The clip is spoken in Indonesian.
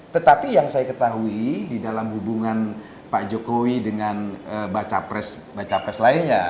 tetapi yang saya ketahui di dalam hubungan pak jokowi dengan baca pres lainnya